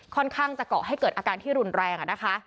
ค่อนข้างจะเกาะให้เกิดอาการที่รุนแรง